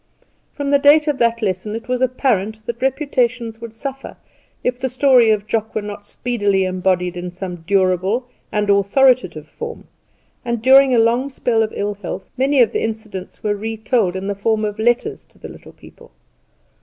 From the date of that lesson it was apparent that reputations would suffer if the story of Jock were not speedily embodied in some durable and authoritative form, and during a long spell of ill health many of the incidents were retold in the form of letters to the Little People.